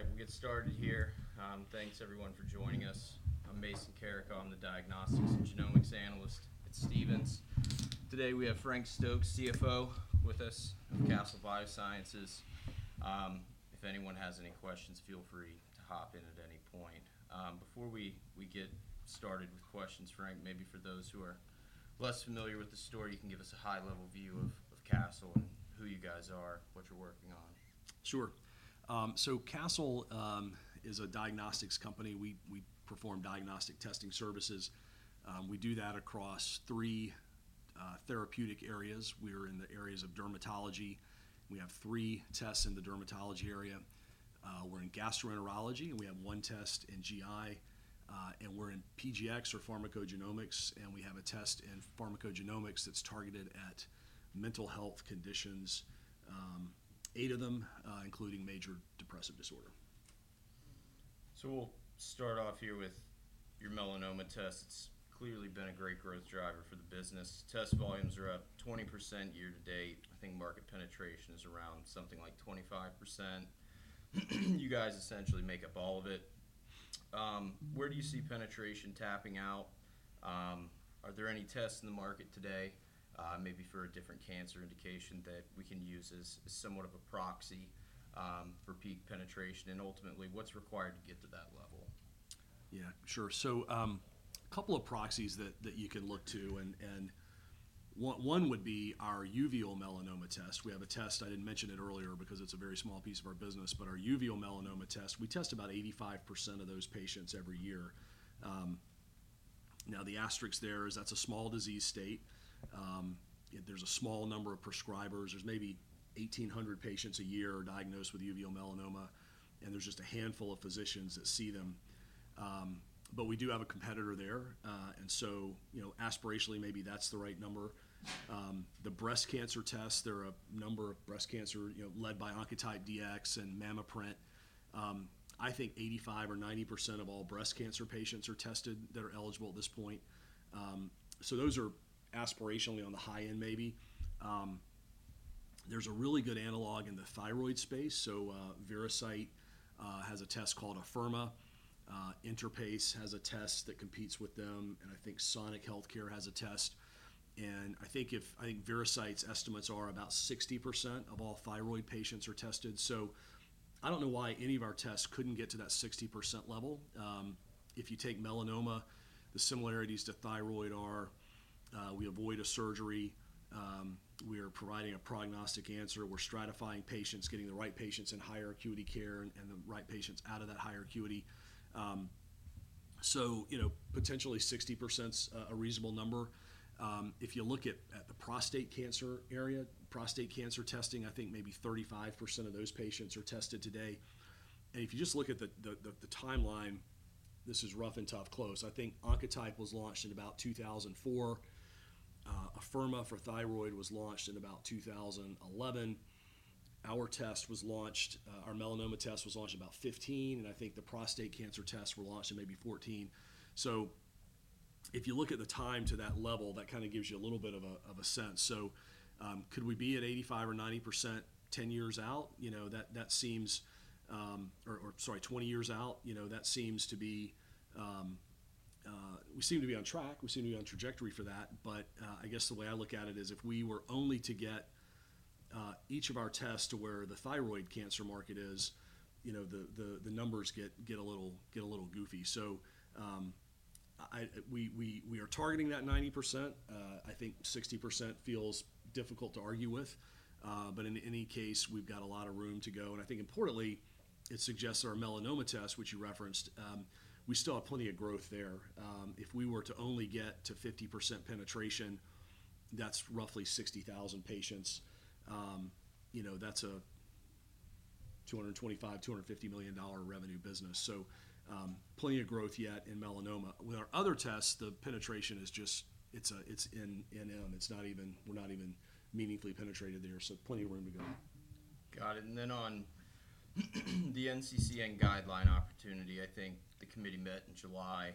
All right, we'll get started here. Thanks everyone for joining us. I'm Mason Carrico, I'm the Diagnostics and Genomics Analyst at Stephens. Today, we have Frank Stokes, CFO, with us from Castle Biosciences. If anyone has any questions, feel free to hop in at any point. Before we get started with questions, Frank, maybe for those who are less familiar with the story, you can give us a high-level view of Castle and who you guys are, what you're working on. Sure. So Castle is a diagnostics company. We perform diagnostic testing services. We do that across three therapeutic areas. We are in the areas of dermatology. We have three tests in the dermatology area. We're in gastroenterology, and we have one test in GI. And we're in PGx or pharmacogenomics, and we have a test in pharmacogenomics that's targeted at mental health conditions, eight of them, including major depressive disorder. So we'll start off here with your melanoma test. It's clearly been a great growth driver for the business. Test volumes are up 20% year to date. I think market penetration is around something like 25%. You guys essentially make up all of it. Where do you see penetration tapping out? Are there any tests in the market today, maybe for a different cancer indication that we can use as somewhat of a proxy for peak penetration? And ultimately, what's required to get to that level? Yeah, sure. So, a couple of proxies that you can look to, and one would be our uveal melanoma test. We have a test, I didn't mention it earlier because it's a very small piece of our business, but our uveal melanoma test, we test about 85% of those patients every year. Now, the asterisk there is that's a small disease state. There's a small number of prescribers. There's maybe 1,800 patients a year diagnosed with uveal melanoma, and there's just a handful of physicians that see them. But we do have a competitor there, and so, you know, aspirationally, maybe that's the right number. The breast cancer test, there are a number of breast cancer, you know, led by Oncotype DX and MammaPrint. I think 85% or 90% of all breast cancer patients are tested that are eligible at this point. So those are aspirationally on the high end, maybe. There's a really good analog in the thyroid space. So, Veracyte has a test called Afirma. Interpace has a test that competes with them, and I think Sonic Healthcare has a test. And I think Veracyte's estimates are about 60% of all thyroid patients are tested. So I don't know why any of our tests couldn't get to that 60% level. If you take melanoma, the similarities to thyroid are, we avoid a surgery, we are providing a prognostic answer, we're stratifying patients, getting the right patients in higher acuity care and the right patients out of that higher acuity. So, you know, potentially 60%'s a reasonable number. If you look at the prostate cancer area, prostate cancer testing, I think maybe 35% of those patients are tested today. And if you just look at the timeline, this is rough and tough close. I think Oncotype was launched in about 2004. Afirma for thyroid was launched in about 2011. Our test was launched. Our melanoma test was launched in about 2015, and I think the prostate cancer tests were launched in maybe 2014. So if you look at the time to that level, that kind of gives you a little bit of a sense. So, could we be at 85% or 90%, ten years out? You know, that seems twenty years out, you know, that seems to be we seem to be on track, we seem to be on trajectory for that. But I guess the way I look at it is, if we were only to get each of our tests to where the thyroid cancer market is, you know, the numbers get a little goofy. So I—we are targeting that 90%. I think 60% feels difficult to argue with. But in any case, we've got a lot of room to go, and I think importantly, it suggests our melanoma test, which you referenced, we still have plenty of growth there. If we were to only get to 50% penetration, that's roughly 60,000 patients. You know, that's a $225 million-$250 million revenue business, so plenty of growth yet in melanoma. With our other tests, the penetration is just, it's not even—we're not even meaningfully penetrated there, so plenty of room to go. Got it. And then on the NCCN guideline opportunity, I think the committee met in July.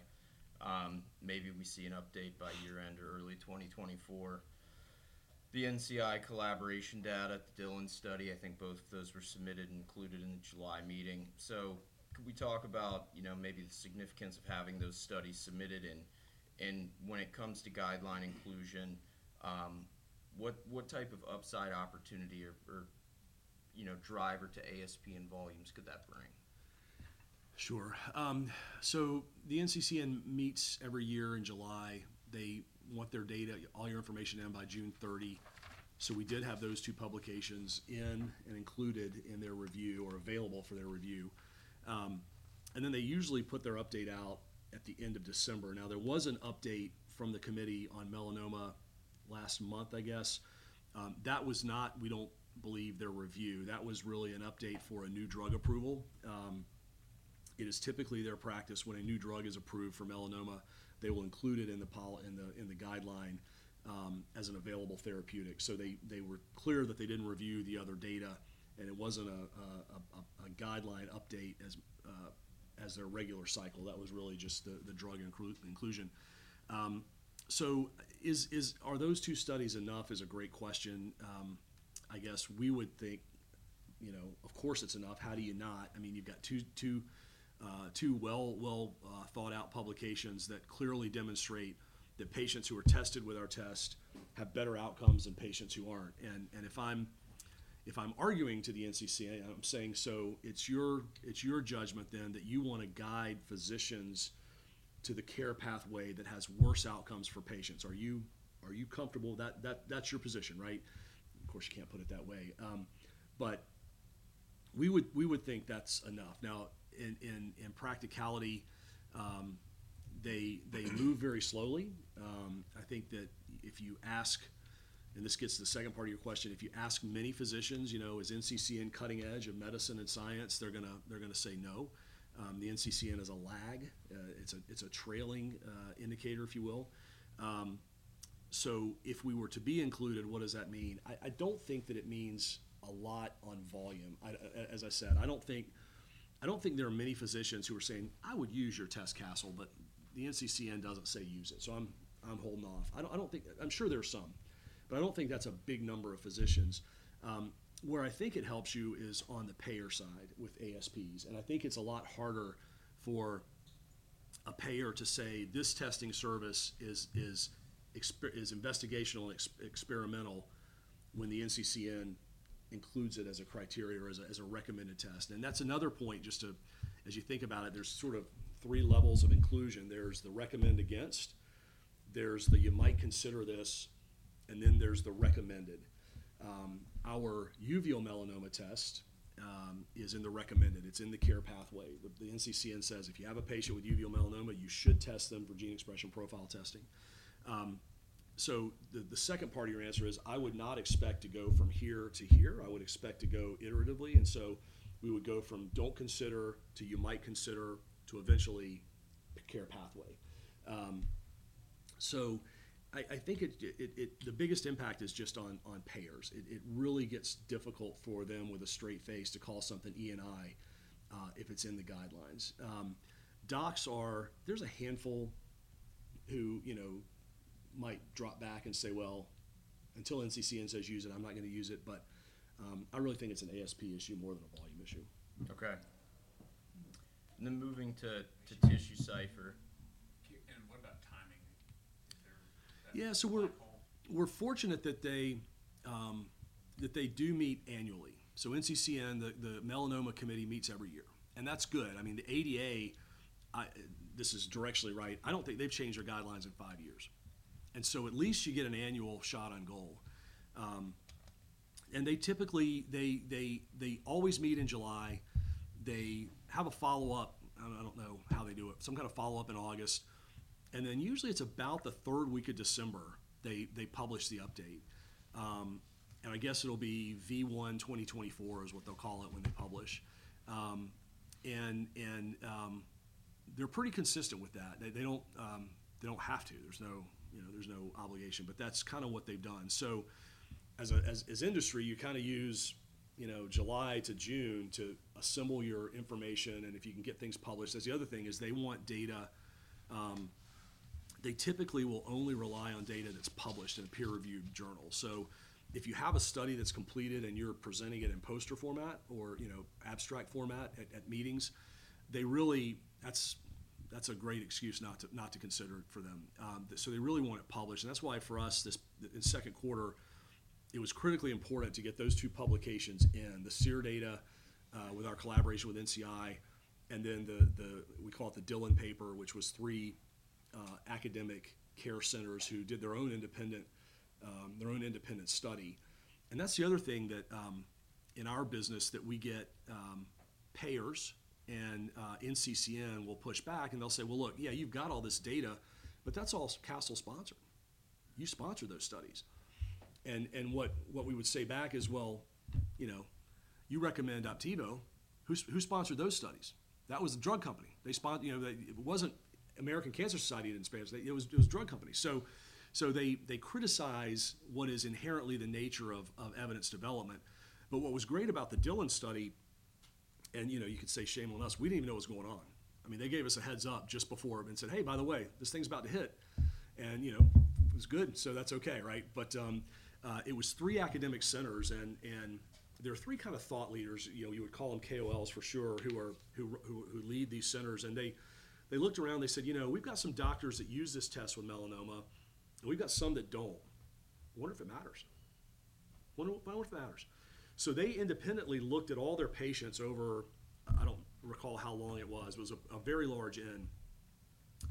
Maybe we see an update by year-end or early 2024. The NCI collaboration data, the Dhillon study, I think both of those were submitted and included in the July meeting. So could we talk about, you know, maybe the significance of having those studies submitted? And, and when it comes to guideline inclusion, what, what type of upside opportunity or, or, you know, driver to ASP and volumes could that bring? Sure. So the NCCN meets every year in July. They want their data, all your information in by June 30. So we did have those two publications in and included in their review or available for their review. And then they usually put their update out at the end of December. Now, there was an update from the committee on melanoma last month, I guess. That was not, we don't believe, their review. That was really an update for a new drug approval. It is typically their practice when a new drug is approved for melanoma, they will include it in the guideline, as an available therapeutic. So they were clear that they didn't review the other data, and it wasn't a guideline update as their regular cycle. That was really just the drug inclusion. So are those two studies enough? Is a great question. I guess we would think, you know, of course, it's enough. How do you not? I mean, you've got two well thought out publications that clearly demonstrate that patients who are tested with our test have better outcomes than patients who aren't. And if I'm arguing to the NCCN, I'm saying, "So it's your judgment then, that you want to guide physicians to the care pathway that has worse outcomes for patients. Are you comfortable? That's your position, right?" Of course, you can't put it that way. But we would think that's enough. Now, in practicality, they move very slowly. I think that if you ask, and this gets to the second part of your question, if you ask many physicians, you know, "Is NCCN cutting edge of medicine and science?" They're gonna say, "No." The NCCN is a lag. It's a trailing indicator, if you will. So if we were to be included, what does that mean? I don't think that it means a lot on volume. As I said, I don't think there are many physicians who are saying, "I would use your test, Castle, but the NCCN doesn't say use it, so I'm holding off." I don't think—I'm sure there are some, but I don't think that's a big number of physicians. Where I think it helps you is on the payer side with ASPs, and I think it's a lot harder for a payer to say, "This testing service is investigational and experimental," when the NCCN includes it as a criteria or as a recommended test. And that's another point, just to... As you think about it, there's sort of three levels of inclusion. There's the recommend against, there's the, you might consider this, and then there's the recommended. Our uveal melanoma test is in the recommended, it's in the care pathway. The NCCN says, "If you have a patient with uveal melanoma, you should test them for gene expression profile testing." So the second part of your answer is, I would not expect to go from here to here. I would expect to go iteratively, and so we would go from don't consider, to you might consider, to eventually a care pathway. So I think it. The biggest impact is just on payers. It really gets difficult for them with a straight face to call something E&I if it's in the guidelines. Docs are, there's a handful who, you know, might drop back and say, "Well, until NCCN says use it, I'm not gonna use it." But I really think it's an ASP issue more than a volume issue. Okay. Then moving to TissueCypher and what about timing? Yeah, so we're fortunate that they, that they do meet annually. So NCCN, the melanoma committee meets every year, and that's good. I mean, the ADA, this is directly right. I don't think they've changed their guidelines in five years, and so at least you get an annual shot on goal. And they typically always meet in July. They have a follow-up, I don't know how they do it, some kind of follow-up in August, and then usually it's about the third week of December, they publish the update. And they're pretty consistent with that. They don't have to. There's no, you know, there's no obligation, but that's kind of what they've done. So as an industry, you kind of use, you know, July to June to assemble your information and if you can get things published. That's the other thing, is they want data... They typically will only rely on data that's published in a peer-reviewed journal. So if you have a study that's completed and you're presenting it in poster format or, you know, abstract format at meetings, they really, that's a great excuse not to consider it for them. So they really want it published, and that's why for us, this, the second quarter, it was critically important to get those two publications in: the SEER data with our collaboration with NCI, and then the, the... We call it the Dhillon paper, which was three academic care centers who did their own independent, their own independent study. And that's the other thing, that, in our business, that we get, payers and, NCCN will push back and they'll say, "Well, look, yeah, you've got all this data, but that's all Castle sponsored. You sponsored those studies." And, and what, what we would say back is, "Well, you know, you recommend Opdivo. Who who sponsored those studies? That was the drug company. They spon-- You know, it wasn't American Cancer Society that sponsored it, it was, it was drug companies." So, so they, they criticize what is inherently the nature of, of evidence development. But what was great about the Dhillon study, and, you know, you could say shame on us, we didn't even know what was going on. I mean, they gave us a heads-up just before and said, "Hey, by the way, this thing's about to hit." And, you know, it was good, so that's okay, right? But it was three academic centers and there are three kind of thought leaders, you know, you would call them KOLs for sure, who lead these centers. And they looked around, they said, "You know, we've got some doctors that use this test with melanoma, and we've got some that don't. I wonder if it matters. I wonder if it matters." So they independently looked at all their patients over... I don't recall how long it was, it was a very large N.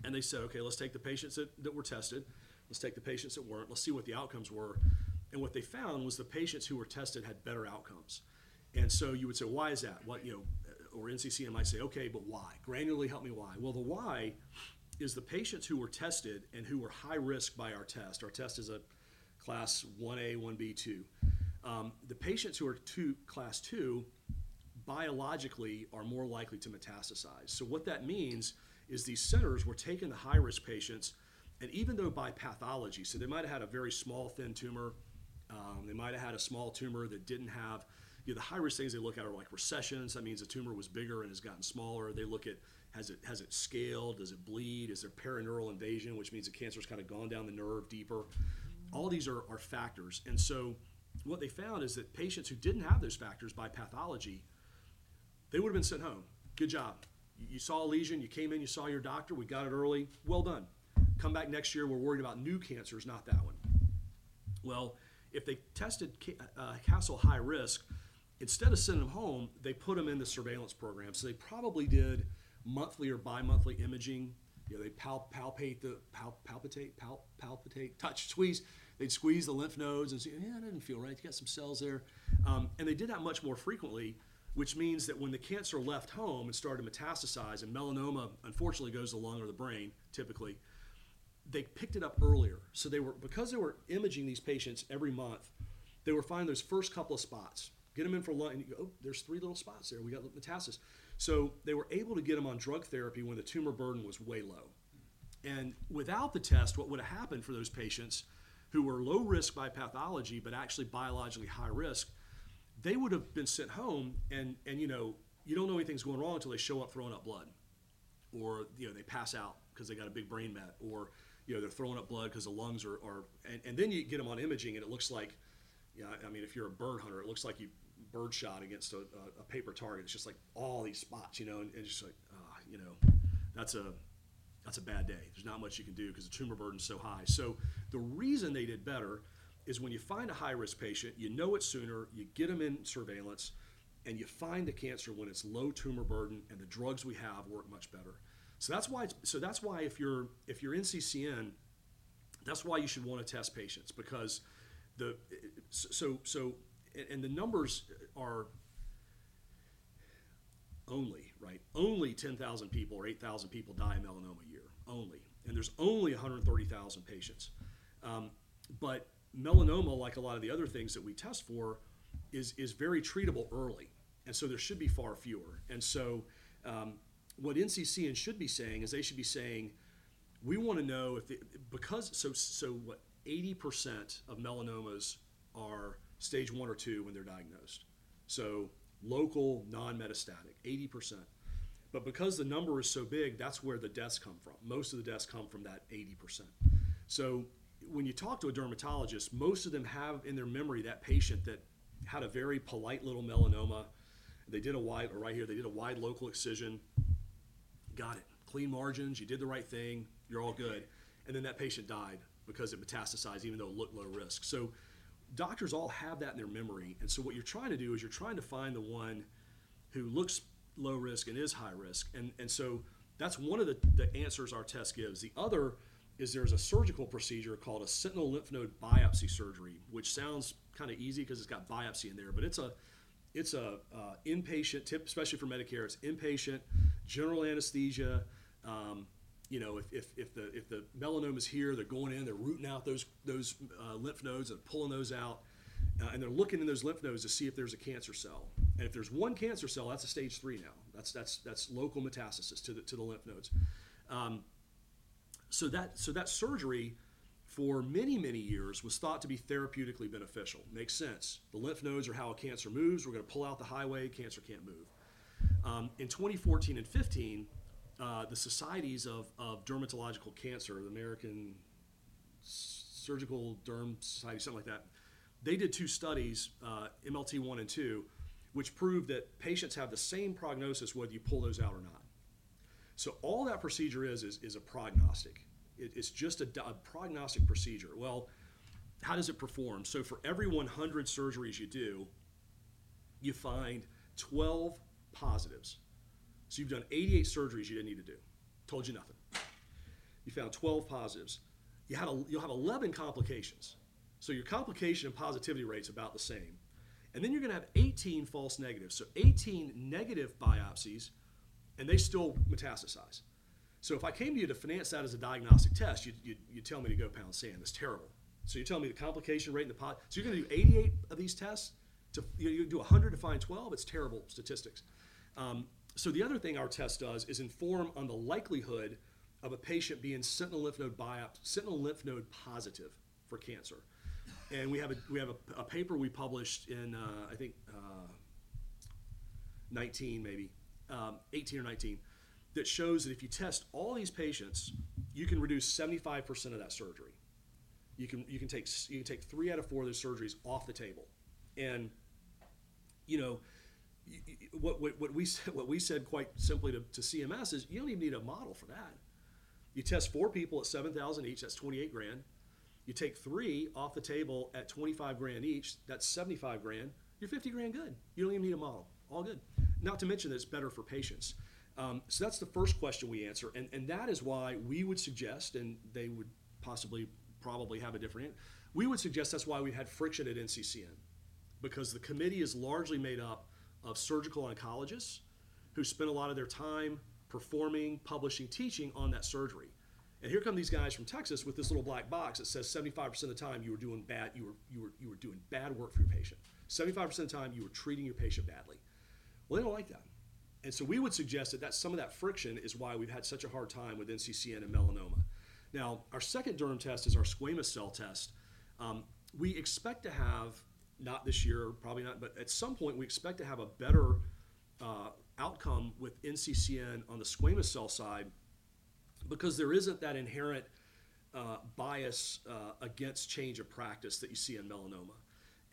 And they said, "Okay, let's take the patients that were tested. Let's take the patients that weren't. Let's see what the outcomes were." And what they found was the patients who were tested had better outcomes. And so you would say, "Why is that?" What—you know, or NCCN might say, "Okay, but why? Granularly help me why." Well, the why is the patients who were tested and who were high risk by our test, our test is a Class 1A, 1B, 2. The patients who are two, Class 2, biologically are more likely to metastasize. So what that means is these centers were taking the high-risk patients, and even though by pathology, so they might have had a very small, thin tumor—they might have had a small tumor that didn't have... You know, the high-risk things they look at are like regression. That means the tumor was bigger and has gotten smaller. They look at, has it scaled? Does it bleed? Is there perineural invasion, which means the cancer's kind of gone down the nerve deeper. All these are factors, and so what they found is that patients who didn't have those factors by pathology, they would have been sent home. "Good job. You saw a lesion, you came in, you saw your doctor. We got it early. Well done. Come back next year, we're worried about new cancers, not that one." Well, if they tested Castle high risk, instead of sending them home, they put them in the surveillance program. So they probably did monthly or bi-monthly imaging. You know, they palpate, touch, squeeze. They'd squeeze the lymph nodes and say, "Yeah, that doesn't feel right. You got some cells there." They did that much more frequently, which means that when the cancer left home and started to metastasize, and melanoma unfortunately goes to the lung or the brain, typically, they picked it up earlier. So they were, because they were imaging these patients every month, they were finding those first couple of spots, get them in for lung, and you go, "Oh, there's three little spots there. We got metastasis." So they were able to get them on drug therapy when the tumor burden was way low. And without the test, what would have happened for those patients who were low risk by pathology, but actually biologically high risk? They would have been sent home, and you know, you don't know anything's going wrong until they show up throwing up blood, or, you know, they pass out 'cause they got a big brain met, or, you know, they're throwing up blood 'cause the lungs are... And then you get them on imaging, and it looks like, yeah, I mean, if you're a bird hunter, it looks like you've birdshot against a paper target. It's just like all these spots, you know, and it's just like, "Ah," you know, that's a bad day. There's not much you can do 'cause the tumor burden is so high. So the reason they did better is when you find a high-risk patient, you know it sooner, you get them in surveillance, and you find the cancer when it's low tumor burden, and the drugs we have work much better. So that's why, so that's why if you're, if you're NCCN, that's why you should want to test patients, because the numbers are only, right, only 10,000 people or 8,000 people die in melanoma a year, only. And there's only 130,000 patients. But melanoma, like a lot of the other things that we test for, is very treatable early, and so there should be far fewer. And so, what NCCN should be saying is, they should be saying: "We want to know if the... Because," so, so what 80% of melanomas are stage one or two when they're diagnosed, so local non-metastatic, 80%. But because the number is so big, that's where the deaths come from. Most of the deaths come from that 80%. So when you talk to a dermatologist, most of them have, in their memory, that patient that had a very polite little melanoma. They did a wide, or right here, they did a wide local excision, got it, clean margins. You did the right thing, you're all good. And then that patient died because it metastasized, even though it looked low risk. So doctors all have that in their memory, and so what you're trying to do is you're trying to find the one who looks low risk and is high risk, and, and so that's one of the, the answers our test gives. The other is there's a surgical procedure called a sentinel lymph node biopsy surgery, which sounds kind of easy because it's got biopsy in there, but it's inpatient, especially for Medicare, general anesthesia. You know, if the melanoma is here, they're going in, they're rooting out those lymph nodes and pulling those out, and they're looking in those lymph nodes to see if there's a cancer cell. And if there's one cancer cell, that's a stage three now. That's local metastasis to the lymph nodes. So that surgery, for many, many years, was thought to be therapeutically beneficial. Makes sense. The lymph nodes are how a cancer moves. We're going to pull out the highway, cancer can't move. In 2014 and 2015, the societies of dermatological cancer, the American Society for Dermatologic Surgery, something like that, they did two studies, MSLT-I and MSLT-II, which proved that patients have the same prognosis whether you pull those out or not. So all that procedure is a prognostic. It's just a prognostic procedure. Well, how does it perform? So for every 100 surgeries you do, you find 12 positives. So you've done 88 surgeries you didn't need to do, told you nothing. You found 12 positives. You'll have 11 complications. So your complication and positivity rate's about the same, and then you're going to have 18 false negatives. So 18 negative biopsies, and they still metastasize. So if I came to you to finance that as a diagnostic test, you'd tell me to go pound sand. It's terrible. So you're telling me the complication rate and the... So you're going to do 88 of these tests to—you do 100 to find 12? It's terrible statistics. So the other thing our test does is inform on the likelihood of a patient being sentinel lymph node positive for cancer. And we have a paper we published in, I think, 2019, maybe 2018 or 2019, that shows that if you test all these patients, you can reduce 75% of that surgery. You can take three out of four of those surgeries off the table. You know, what we said quite simply to CMS is, "You don't even need a model for that." You test four people at $7,000 each, that's $28,000. You take three off the table at $25,000 each, that's $75,000. You're $50,000 good. You don't even need a model. All good. Not to mention, that's better for patients. So that's the first question we answer, and that is why we would suggest, and they would possibly, probably have a different... We would suggest that's why we've had friction at NCCN, because the committee is largely made up of surgical oncologists, who spend a lot of their time performing, publishing, teaching on that surgery. And here come these guys from Texas with this little black box that says, 75% of the time, you were doing bad work for your patient. 75% of the time, you were treating your patient badly. Well, they don't like that. So we would suggest that some of that friction is why we've had such a hard time with NCCN and melanoma. Now, our second derm test is our squamous cell test. We expect to have, not this year, probably not, but at some point we expect to have a better outcome with NCCN on the squamous cell side, because there isn't that inherent bias against change of practice that you see in melanoma.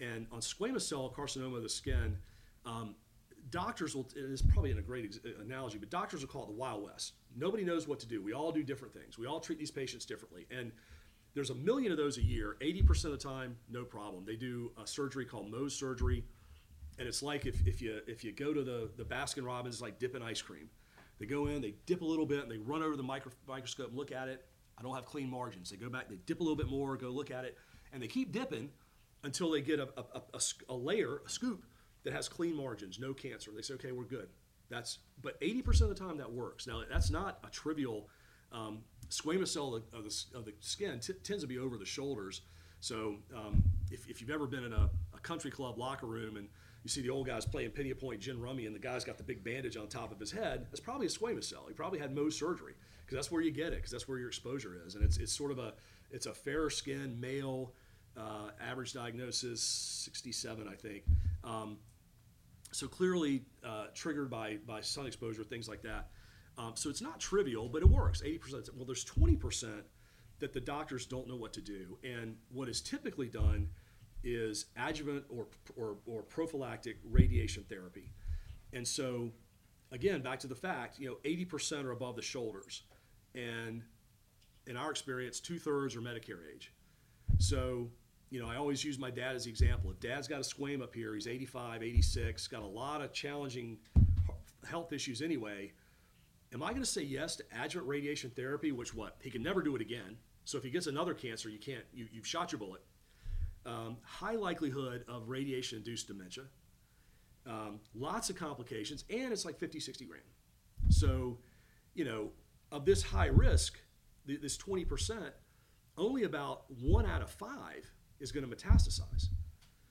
And on squamous cell carcinoma of the skin, it is probably not a great analogy, but doctors will call it the Wild West. Nobody knows what to do. We all do different things. We all treat these patients differently, and there's a million of those a year. 80% of the time, no problem. They do a surgery called Mohs surgery, and it's like if you go to the Baskin-Robbins, it's like dipping ice cream. They go in, they dip a little bit, and they run over the microscope and look at it. "I don't have clean margins." They go back, they dip a little bit more, go look at it, and they keep dipping until they get a layer, a scoop that has clean margins, no cancer. They say, "Okay, we're good." That's... But 80% of the time, that works. Now, that's not a trivial squamous cell of the skin tends to be over the shoulders. So, if you've ever been in a country club locker room, and you see the old guys playing pinochle or gin rummy, and the guy's got the big bandage on top of his head, that's probably a squamous cell. He probably had Mohs surgery, 'cause that's where you get it, 'cause that's where your exposure is. And it's sort of a, it's a fairer skin, male, average diagnosis, 67, I think. So clearly, triggered by sun exposure, things like that. So it's not trivial, but it works 80%. Well, there's 20% that the doctors don't know what to do, and what is typically done is adjuvant or prophylactic radiation therapy. And so, again, back to the fact, you know, 80% are above the shoulders, and in our experience, two-thirds are Medicare age. So, you know, I always use my dad as the example. If Dad's got a squam up here, he's 85, 86, got a lot of challenging health issues anyway. Am I gonna say yes to adjuvant radiation therapy, which what? He can never do it again, so if he gets another cancer, you can't... You've shot your bullet. High likelihood of radiation-induced dementia, lots of complications, and it's like $50,000-$60,000. So, you know, of this high risk, this 20%, only about one out of five is gonna metastasize.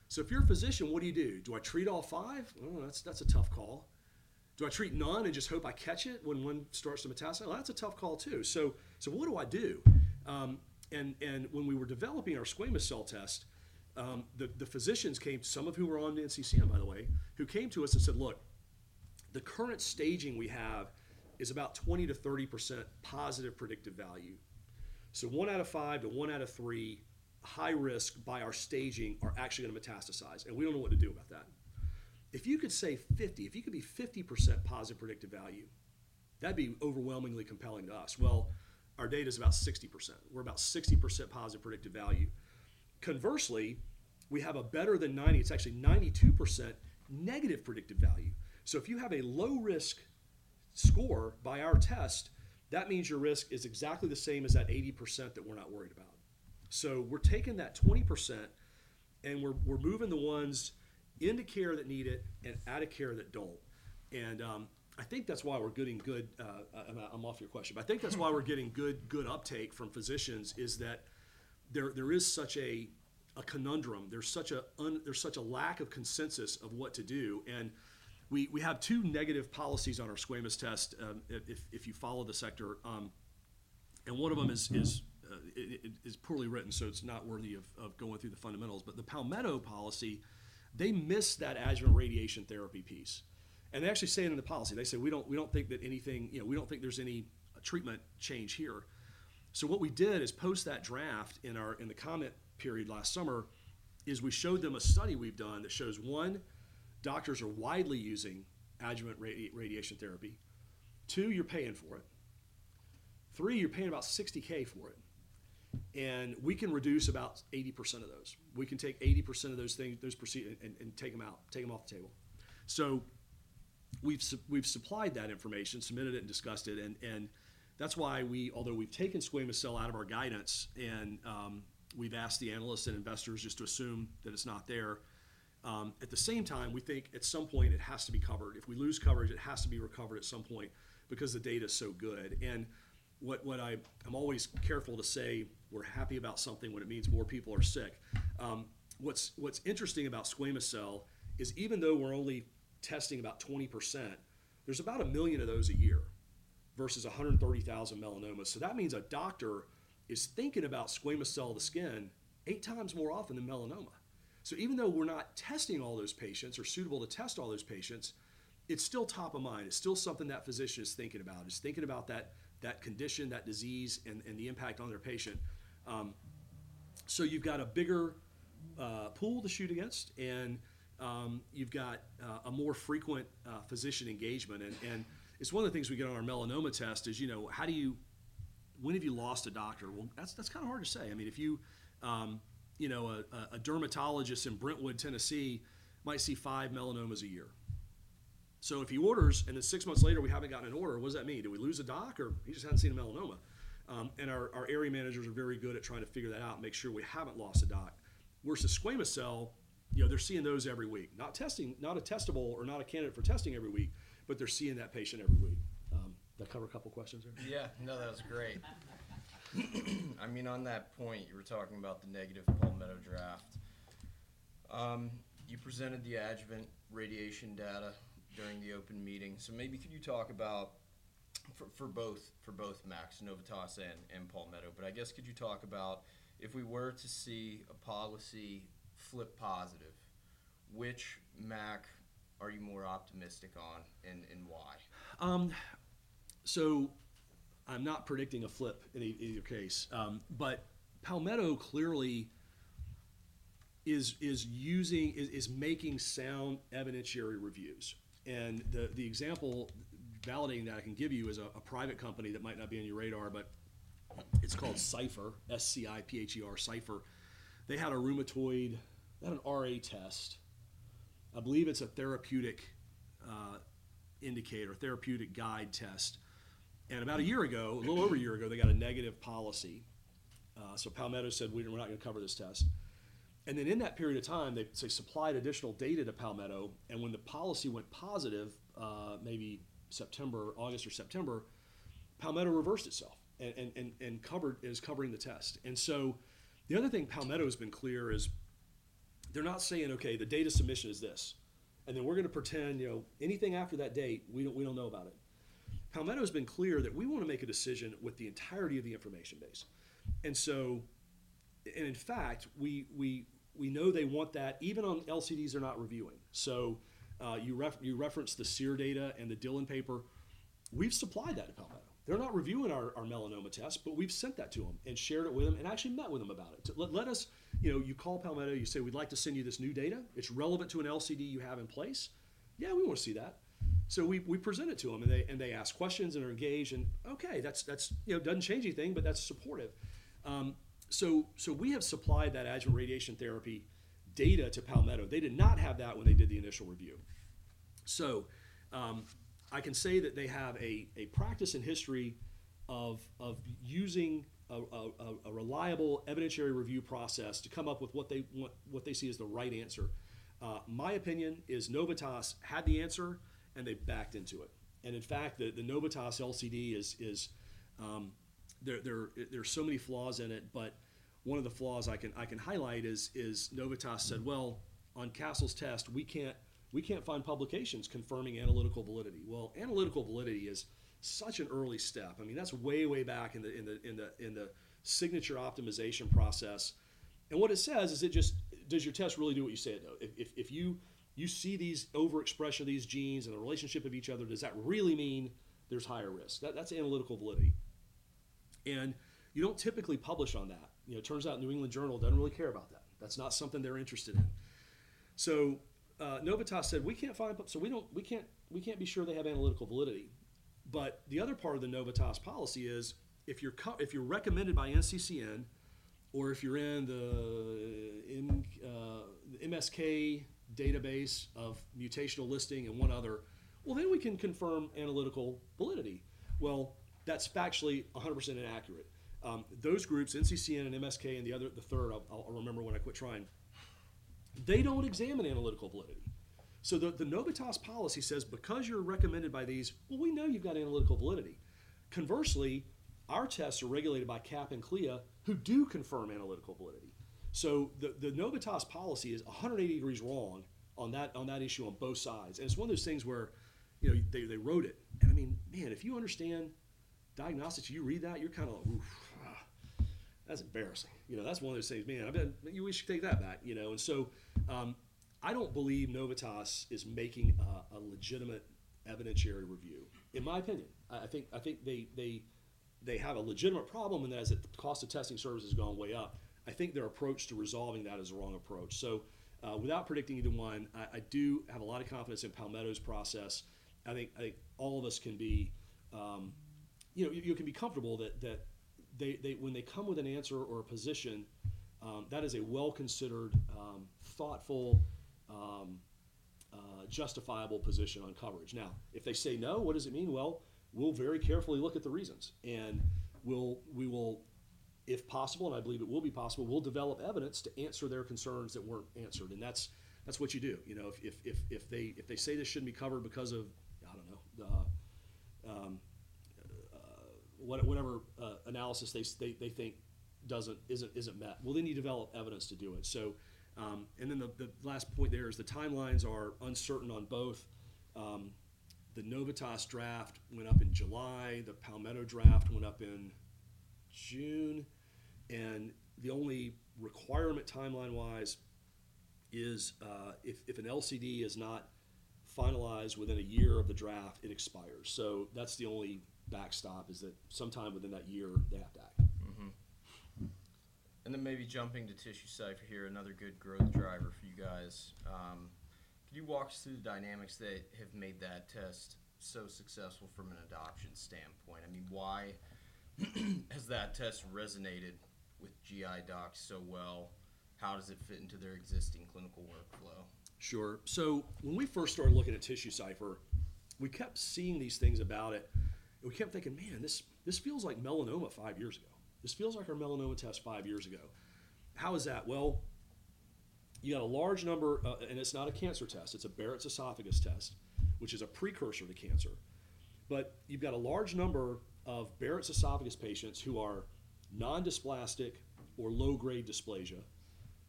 So if you're a physician, what do you do? Do I treat all five? Well, that's, that's a tough call. Do I treat none and just hope I catch it when one starts to metastasize? Well, that's a tough call, too. So, so what do I do? And when we were developing our squamous cell test, the physicians came, some of who were on NCCN, by the way, who came to us and said, "Look, the current staging we have is about 20%-30% positive predictive value. So one out of five to one out of three high risk by our staging are actually gonna metastasize, and we don't know what to do about that. If you could say 50%, if you could be 50% positive predictive value, that'd be overwhelmingly compelling to us." Well, our data is about 60%. We're about 60% positive predictive value. Conversely, we have a better than 90%, it's actually 92% negative predictive value. So if you have a low-risk score by our test, that means your risk is exactly the same as that 80% that we're not worried about. So we're taking that 20%, and we're moving the ones into care that need it and out of care that don't. And I think that's why we're getting good uptake from physicians, is that there is such a conundrum. There's such a lack of consensus of what to do, and we have two negative policies on our squamous test, if you follow the sector, and one of them is poorly written, so it's not worthy of going through the fundamentals. But the Palmetto policy, they miss that adjuvant radiation therapy piece. And they actually say it in the policy. They say, "We don't think that anything... You know, we don't think there's any treatment change here." So what we did is, post that draft in the comment period last summer, is we showed them a study we've done that shows, one, doctors are widely using adjuvant radiation therapy. Two, you're paying for it. Three, you're paying about $60,000 for it, and we can reduce about 80% of those. We can take 80% of those things, those and take them out, take them off the table. So we've supplied that information, submitted it, and discussed it, and that's why we although we've taken squamous cell out of our guidance, and we've asked the analysts and investors just to assume that it's not there, at the same time, we think at some point it has to be covered. If we lose coverage, it has to be recovered at some point because the data is so good. And I'm always careful to say we're happy about something when it means more people are sick. What's interesting about squamous cell is even though we're only testing about 20%, there's about a million of those a year versus 130,000 melanomas. So that means a doctor is thinking about squamous cell of the skin eight times more often than melanoma. So even though we're not testing all those patients or suitable to test all those patients, it's still top of mind. It's still something that physician is thinking about, is thinking about that, that condition, that disease, and the impact on their patient. So you've got a bigger pool to shoot against, and you've got a more frequent physician engagement. And it's one of the things we get on our melanoma test is, you know, how do you when have you lost a doctor? Well, that's kind of hard to say. I mean, if you, you know, a dermatologist in Brentwood, Tennessee, might see five melanomas a year. So if he orders and then six months later, we haven't gotten an order, what does that mean? Did we lose a doc, or he just hadn't seen a melanoma? And our area managers are very good at trying to figure that out and make sure we haven't lost a doc. Whereas a squamous cell, you know, they're seeing those every week, not testing, not a testable or not a candidate for testing every week, but they're seeing that patient every week. That cover a couple questions there? Yeah. No, that was great. I mean, on that point, you were talking about the negative Palmetto draft. You presented the adjuvant radiation data during the open meeting, so maybe could you talk about, for both MACs, Novitas and Palmetto. But I guess, could you talk about if we were to see a policy flip positive, which MAC are you more optimistic on and why? So I'm not predicting a flip in either case, but Palmetto clearly is making sound evidentiary reviews, and the example validating that I can give you is a private company that might not be on your radar, but it's called Scipher, S-C-I-P-H-E-R, Scipher. They had a rheumatoid... They had an RA test. I believe it's a therapeutic indicator, therapeutic guide test, and about a year ago, a little over a year ago, they got a negative policy. So Palmetto said, "We're not gonna cover this test." And then in that period of time, they supplied additional data to Palmetto, and when the policy went positive, maybe August or September, Palmetto reversed itself and is covering the test. The other thing Palmetto has been clear is, they're not saying: "Okay, the data submission is this, and then we're gonna pretend, you know, anything after that date, we don't know about it." Palmetto has been clear that we want to make a decision with the entirety of the information base. And in fact, we know they want that even on LCDs they're not reviewing. So, you referenced the SEER data and the Dhillon paper. We've supplied that to Palmetto. They're not reviewing our melanoma test, but we've sent that to them and shared it with them and actually met with them about it. You know, you call Palmetto, you say, "We'd like to send you this new data. It's relevant to an LCD you have in place." "Yeah, we want to see that." So we present it to them, and they ask questions and are engaged, and okay, that's... You know, doesn't change anything, but that's supportive. So we have supplied that adjuvant radiation therapy data to Palmetto. They did not have that when they did the initial review. So I can say that they have a practice and history of using a reliable evidentiary review process to come up with what they want, what they see as the right answer. My opinion is Novitas had the answer, and they backed into it. In fact, the Novitas LCD is. There are so many flaws in it, but one of the flaws I can highlight is Novitas said, "Well, on Castle's test, we can't find publications confirming analytical validity." Well, analytical validity is such an early step. I mean, that's way back in the signature optimization process. What it says is, does your test really do what you say it does? If you see these overexpression of these genes and the relationship of each other, does that really mean there's higher risk? That's analytical validity, and you don't typically publish on that. You know, it turns out New England Journal doesn't really care about that. That's not something they're interested in. So, Novitas said, "We can't find publications, so we don't, we can't be sure they have analytical validity." But the other part of the Novitas policy is, if you're recommended by NCCN or if you're in the MSK database of mutational listing and one other, well, then we can confirm analytical validity. Well, that's factually 100% inaccurate. Those groups, NCCN and MSK and the other, the third, I'll remember when I quit trying, they don't examine analytical validity. So the Novitas policy says, "Because you're recommended by these, well, we know you've got analytical validity." Conversely, our tests are regulated by CAP and CLIA, who do confirm analytical validity. So the Novitas policy is 180 degrees wrong on that, on that issue on both sides, and it's one of those things where, you know, they, they wrote it. And I mean, man, if you understand diagnostics, you read that, you're kind of, "Oof, ah, that's embarrassing." You know, that's one of those things, man, I mean, we should take that back, you know? And so, I don't believe Novitas is making a legitimate evidentiary review, in my opinion. I think they have a legitimate problem, and that is that the cost of testing services has gone way up. I think their approach to resolving that is the wrong approach. So, without predicting either one, I do have a lot of confidence in Palmetto's process. I think all of us can be... You know, you can be comfortable that they when they come with an answer or a position, that is a well-considered, thoughtful, justifiable position on coverage. Now, if they say no, what does it mean? Well, we'll very carefully look at the reasons, and we'll if possible, and I believe it will be possible, we'll develop evidence to answer their concerns that weren't answered, and that's what you do. You know, if they say this shouldn't be covered because of, I don't know, the whatever analysis they think isn't met, well, then you develop evidence to do it. So, and then the last point there is the timelines are uncertain on both. The Novitas draft went up in July, the Palmetto draft went up in June, and the only requirement, timeline-wise, is if an LCD is not finalized within a year of the draft, it expires. So that's the only backstop, is that sometime within that year, they have to act. Mm-hmm. And then maybe jumping to TissueCypher here, another good growth driver for you guys. Can you walk us through the dynamics that have made that test so successful from an adoption standpoint? I mean, why has that test resonated with GI docs so well? How does it fit into their existing clinical workflow? Sure. So when we first started looking at TissueCypher, we kept seeing these things about it, and we kept thinking: Man, this, this feels like melanoma five years ago. This feels like our melanoma test five years ago. How is that? Well... You got a large number, and it's not a cancer test, it's a Barrett's esophagus test, which is a precursor to cancer. But you've got a large number of Barrett's esophagus patients who are non-dysplastic or low-grade dysplasia.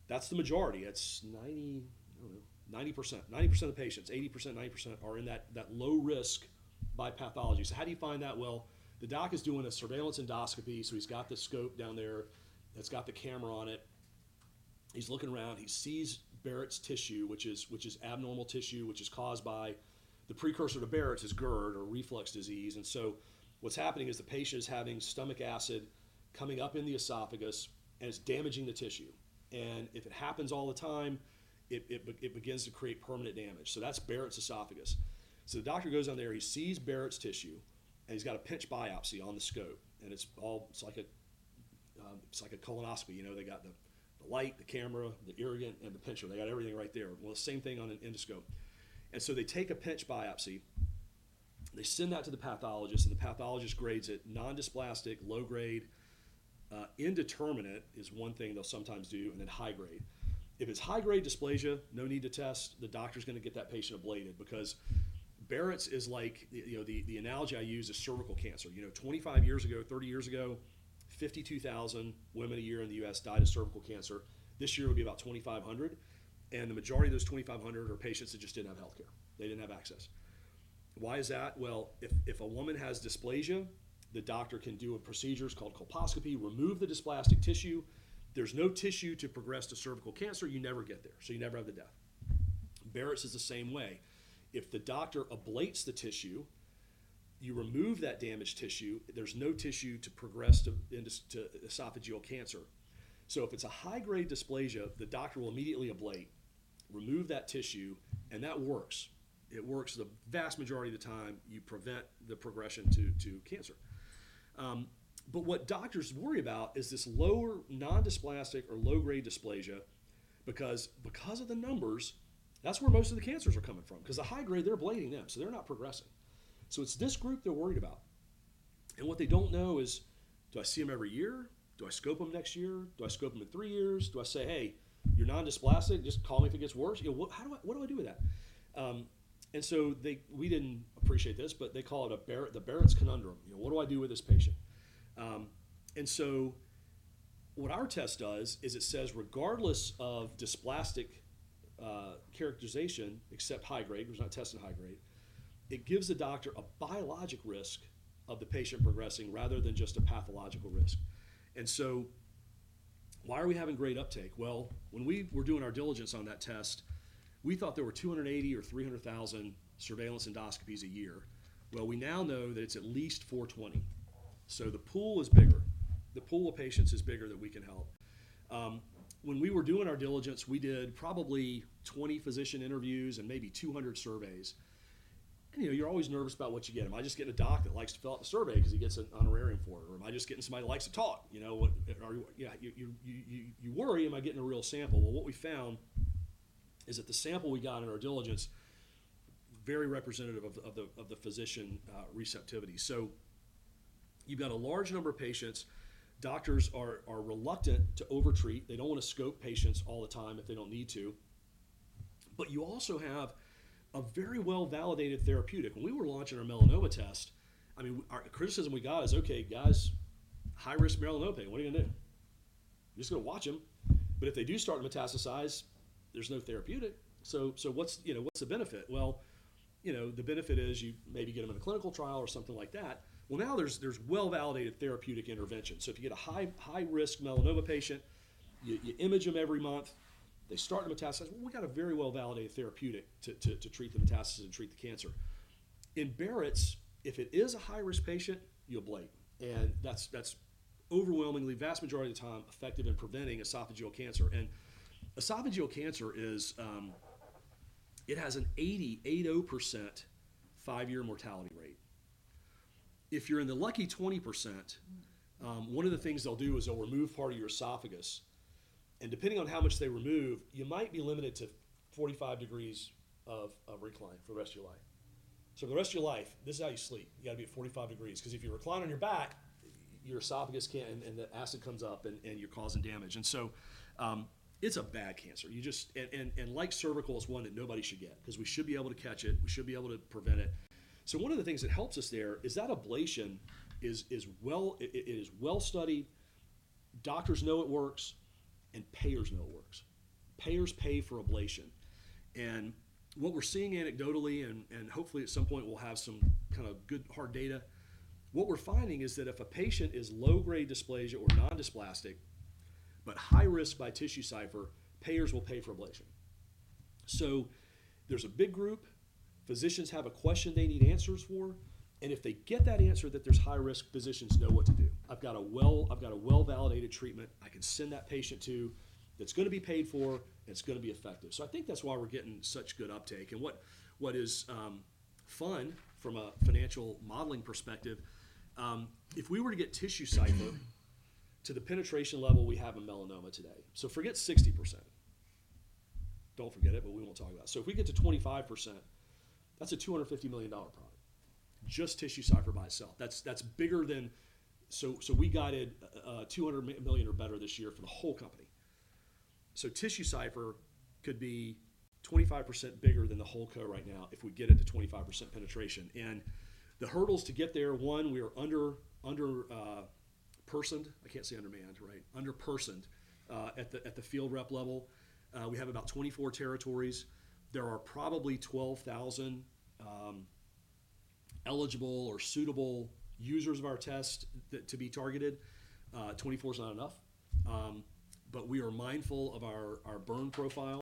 That's the majority. It's 90%, I don't know, 90%. 90% of the patients, 80%, 90% are in that, that low risk by pathology. So how do you find that? Well, the doc is doing a surveillance endoscopy, so he's got the scope down there, that's got the camera on it. He's looking around, he sees Barrett's tissue, which is abnormal tissue, which is caused by... The precursor to Barrett's is GERD or reflux disease. So what's happening is the patient is having stomach acid coming up in the esophagus, and it's damaging the tissue. And if it happens all the time, it begins to create permanent damage. So that's Barrett's esophagus. So the doctor goes down there, he sees Barrett's tissue, and he's got a pinch biopsy on the scope, and it's all. It's like a colonoscopy. You know, they got the light, the camera, the irrigant, and the pincher. They got everything right there. Well, the same thing on an endoscope. And so they take a pinch biopsy, they send that to the pathologist, and the pathologist grades it non-dysplastic, low-grade, indeterminate is one thing they'll sometimes do, and then high-grade. If it's high-grade dysplasia, no need to test, the doctor's gonna get that patient ablated because Barrett's is like... The, you know, analogy I use is cervical cancer. You know, 25 years ago, 30 years ago, 52,000 women a year in the US died of cervical cancer. This year, it will be about 2,500, and the majority of those 2,500 are patients that just didn't have healthcare. They didn't have access. Why is that? Well, if a woman has dysplasia, the doctor can do a procedure, it's called colposcopy, remove the dysplastic tissue. There's no tissue to progress to cervical cancer, you never get there, so you never have the death. Barrett's is the same way. If the doctor ablates the tissue, you remove that damaged tissue, there's no tissue to progress to into, to esophageal cancer. So if it's a high-grade dysplasia, the doctor will immediately ablate, remove that tissue, and that works. It works the vast majority of the time. You prevent the progression to, to cancer. But what doctors worry about is this lower non-dysplastic or low-grade dysplasia, because, because of the numbers, that's where most of the cancers are coming from, 'cause the high grade, they're ablating them, so they're not progressing. So it's this group they're worried about. And what they don't know is, do I see them every year? Do I scope them next year? Do I scope them in three years? Do I say, "Hey, you're non-dysplastic, just call me if it gets worse?" You know, what, how do I-- what do I do with that? And so they-- we didn't appreciate this, but they call it a Barrett's conundrum. You know, what do I do with this patient? And so what our test does is it says, regardless of dysplastic characterization, except high grade, because we're not testing high grade, it gives the doctor a biologic risk of the patient progressing rather than just a pathological risk. And so why are we having great uptake? Well, when we were doing our diligence on that test, we thought there were 280 or 300 thousand surveillance endoscopies a year. Well, we now know that it's at least 420, so the pool is bigger. The pool of patients is bigger than we can help. When we were doing our diligence, we did probably 20 physician interviews and maybe 200 surveys. And, you know, you're always nervous about what you get. Am I just getting a doc that likes to fill out the survey 'cause he gets an honorarium for it, or am I just getting somebody who likes to talk? You know, you worry, am I getting a real sample? Well, what we found is that the sample we got in our diligence very representative of the physician receptivity. So you've got a large number of patients. Doctors are reluctant to overtreat. They don't want to scope patients all the time if they don't need to. But you also have a very well-validated therapeutic. When we were launching our melanoma test, I mean, the criticism we got is, "Okay, guys, high risk melanoma patient, what are you gonna do? You're just gonna watch them. But if they do start to metastasize, there's no therapeutic." So what's, you know, the benefit? Well, you know, the benefit is you maybe get them in a clinical trial or something like that. Well, now there's well-validated therapeutic intervention. So if you get a high-risk melanoma patient, you image them every month, they start metastasizing, we got a very well-validated therapeutic to treat the metastasis and treat the cancer. In Barrett's, if it is a high-risk patient, you ablate, and that's overwhelmingly vast majority of the time, effective in preventing esophageal cancer. And esophageal cancer is, it has an 80% five-year mortality rate. If you're in the lucky 20%, one of the things they'll do is they'll remove part of your esophagus, and depending on how much they remove, you might be limited to 45 degrees of recline for the rest of your life. So for the rest of your life, this is how you sleep. You got to be at 45 degrees, 'cause if you recline on your back, your esophagus can... and the acid comes up and you're causing damage. And so, it's a bad cancer. You just and like cervical, it's one that nobody should get, 'cause we should be able to catch it, we should be able to prevent it. So one of the things that helps us there is that ablation is well-studied, doctors know it works, and payers know it works. Payers pay for ablation. And what we're seeing anecdotally, and hopefully, at some point, we'll have some kind of good hard data, what we're finding is that if a patient is low-grade dysplasia or non-dysplastic, but high risk by TissueCypher, payers will pay for ablation. So there's a big group. Physicians have a question they need answers for, and if they get that answer, that there's high risk, physicians know what to do. I've got a well-validated treatment I can send that patient to, that's gonna be paid for, and it's gonna be effective. So I think that's why we're getting such good uptake. And what, what is fun from a financial modeling perspective, if we were to get TissueCypher to the penetration level we have in melanoma today. So forget 60%. Don't forget it, but we won't talk about it. So if we get to 25%, that's a $250 million product just TissueCypher by itself. That's, that's bigger than— So, so we guided, two hundred million or better this year for the whole company. So TissueCypher could be 25% bigger than the whole co right now if we get it to 25% penetration. And the hurdles to get there: one, we are under, under, personed. I can't say undermanned, right? Under-personed, at the, at the field rep level. We have about 24 territories. There are probably 12,000 eligible or suitable users of our test that, to be targeted. 24 is not enough. But we are mindful of our, our burn profile.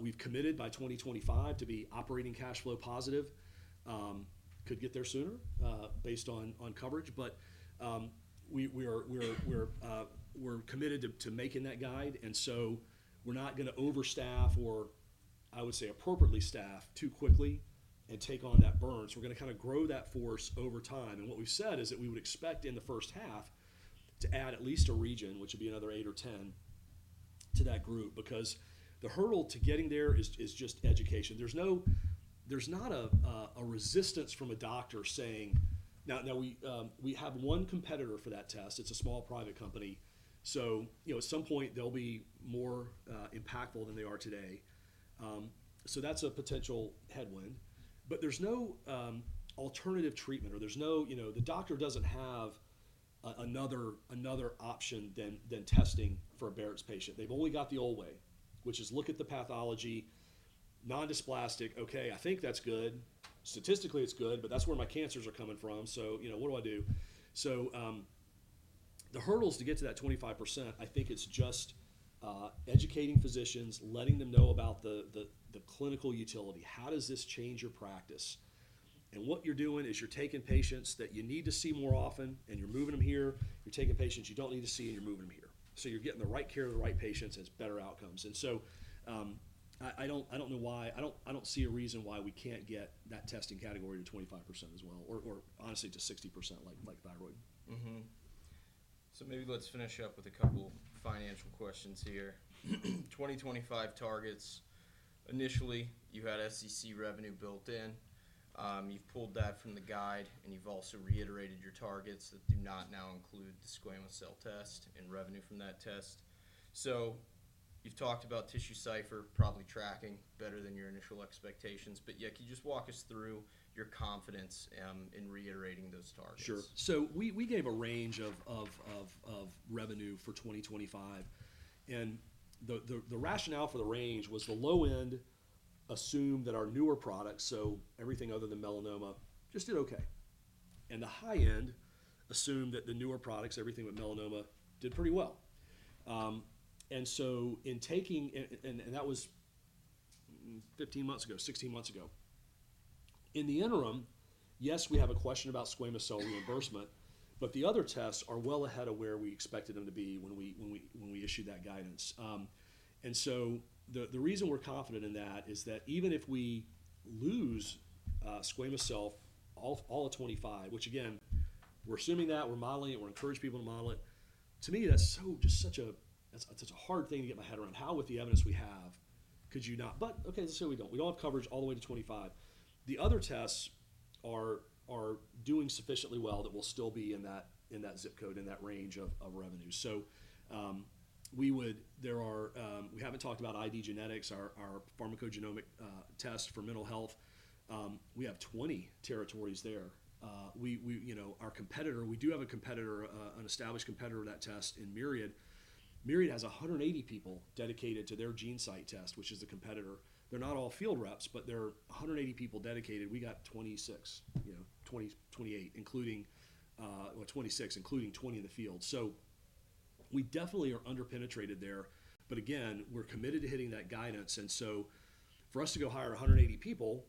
We've committed by 2025 to be operating cash flow positive. Could get there sooner based on coverage, but we're committed to making that guide, and so we're not gonna overstaff or I would say, appropriately staff too quickly and take on that burn. So we're gonna kinda grow that force over time. And what we've said is that we would expect in the first half to add at least a region, which would be another 8 or 10, to that group, because the hurdle to getting there is just education. There's no... There's not a resistance from a doctor saying... Now we have one competitor for that test. It's a small private company. So, you know, at some point, they'll be more impactful than they are today. So that's a potential headwind, but there's no alternative treatment or there's no, you know, the doctor doesn't have a another option than testing for a Barrett's patient. They've only got the old way, which is look at the pathology, non-dysplastic. "Okay, I think that's good. Statistically, it's good, but that's where my cancers are coming from, so, you know, what do I do?" So the hurdles to get to that 25%, I think it's just educating physicians, letting them know about the clinical utility. How does this change your practice? And what you're doing is you're taking patients that you need to see more often, and you're moving them here. You're taking patients you don't need to see, and you're moving them here. So you're getting the right care to the right patients, and it's better outcomes. And so, I don't know why—I don't see a reason why we can't get that testing category to 25% as well or honestly to 60% like thyroid. Mm-hmm. So maybe let's finish up with a couple financial questions here. 2025 targets. Initially, you had SCC revenue built in. You've pulled that from the guide, and you've also reiterated your targets that do not now include the squamous cell test and revenue from that test. So you've talked about TissueCypher, probably tracking better than your initial expectations, but, yeah, can you just walk us through your confidence in reiterating those targets? Sure. So we gave a range of revenue for 2025, and the rationale for the range was the low end assumed that our newer products, so everything other than melanoma, just did okay. And the high end assumed that the newer products, everything but melanoma, did pretty well. And that was 15 months ago, 16 months ago. In the interim, yes, we have a question about squamous cell reimbursement, but the other tests are well ahead of where we expected them to be when we issued that guidance. And so the reason we're confident in that is that even if we lose squamous cell all of 2025, which again, we're assuming that, we're modeling it, and we're encouraging people to model it. To me, that's such a hard thing to get my head around, how with the evidence we have could you not? But okay, let's say we don't. We don't have coverage all the way to 25. The other tests are doing sufficiently well that we'll still be in that zip code, in that range of revenue. So, we would... There are... We haven't talked about IDgenetix, our pharmacogenomic test for mental health. We have 20 territories there. We, you know, our competitor, we do have a competitor, an established competitor to that test in Myriad. Myriad has 180 people dedicated to their GeneSight test, which is the competitor. They're not all field reps, but there are 180 people dedicated. We got 26, you know, 20, 28, including, well, 26, including 20 in the field. So we definitely are under-penetrated there, but again, we're committed to hitting that guidance, and so for us to go hire 180 people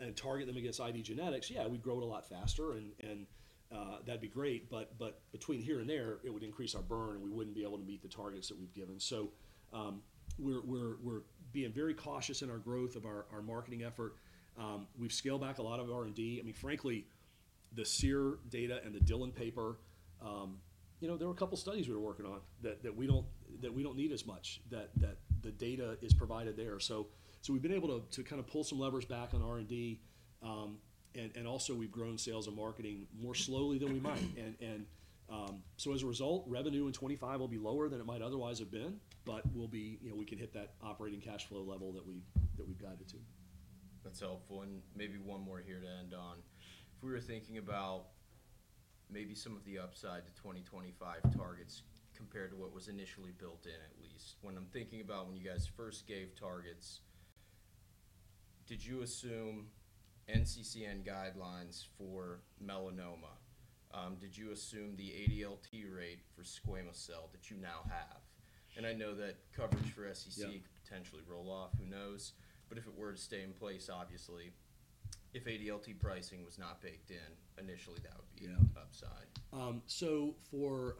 and target them against IDgenetix, yeah, we'd grow it a lot faster and that'd be great, but between here and there, it would increase our burn, and we wouldn't be able to meet the targets that we've given. So we're being very cautious in our growth of our marketing effort. We've scaled back a lot of R&D. I mean, frankly, the SEER data and the Dhillon paper, you know, there were a couple studies we were working on that we don't need as much, that the data is provided there. So we've been able to kind of pull some levers back on R&D, and also we've grown sales and marketing more slowly than we might. And so as a result, revenue in 2025 will be lower than it might otherwise have been, but we'll be... You know, we can hit that operating cash flow level that we've guided to. That's helpful, and maybe one more here to end on. If we were thinking about maybe some of the upside to 2025 targets compared to what was initially built in, at least. When I'm thinking about when you guys first gave targets, did you assume NCCN guidelines for melanoma? Did you assume the ADLT rate for squamous cell that you now have? And I know that coverage for SCC- Yeah... potentially roll off, who knows? But if it were to stay in place, obviously, if ADLT pricing was not baked in initially, that would be- Yeah... upside. So for,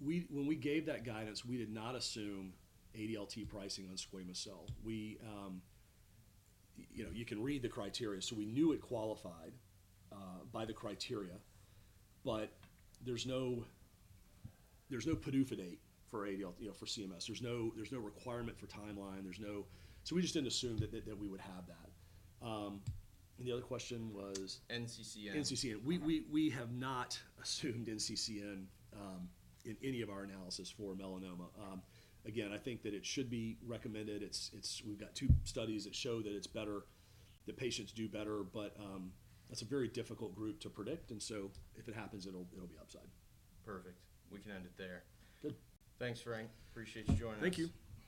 when we gave that guidance, we did not assume ADLT pricing on squamous cell. We, you know, you can read the criteria. So we knew it qualified by the criteria, but there's no, there's no publication date for ADLT, you know, for CMS. There's no, there's no requirement for timeline. There's no... So we just didn't assume that, that, that we would have that. And the other question was? NCCN. NCCN. Mm-hmm. We have not assumed NCCN in any of our analysis for melanoma. Again, I think that it should be recommended. It's. We've got two studies that show that it's better, the patients do better, but that's a very difficult group to predict, and so if it happens, it'll be upside. Perfect. We can end it there. Good. Thanks, Frank. Appreciate you joining us. Thank you.